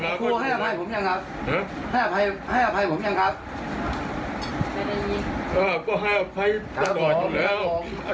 อ่าก็ให้อภัยตลอดอยู่แล้ว